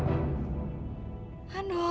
terus kenapa dong